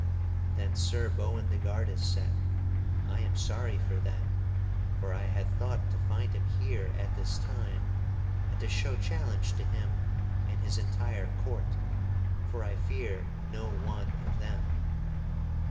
Then Sir Boindegardus said: "I am sorry for that, for I had thought to find him here at this time and to show challenge to him and his entire court, for I fear no one of them.